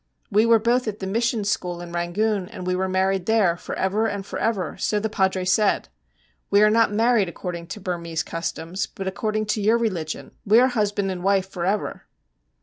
We were both at the mission school in Rangoon, and we were married there, "for ever and for ever," so the padre said. We are not married according to Burmese customs, but according to your religion; we are husband and wife for ever.'